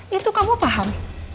itu kamu paham